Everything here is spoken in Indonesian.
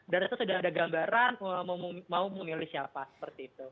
dan itu sudah ada gambaran mau memilih siapa seperti itu